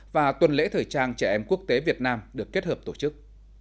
và tuần lễ thời trang trẻ em quốc tế việt nam được kết hợp tổ chức